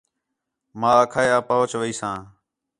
ماں آکھا ہے آں پُہچ ویساں